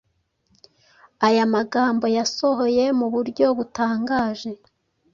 Aya magambo yasohoye mu buryo butangaje.